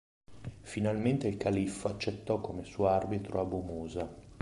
Finalmente il califfo accettò come suo arbitro Abu Musa.